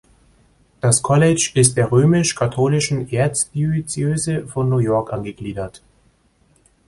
Das College ist der römisch-katholischen Erzdiözese von New York angegliedert.